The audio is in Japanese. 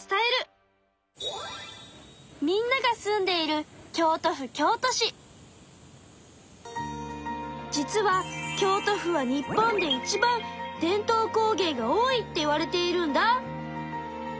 みんなが住んでいる実は京都府は日本でいちばん伝統工芸が多いっていわれているんだ。